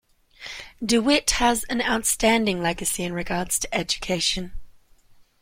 DeWitt has an outstanding legacy in regards to education.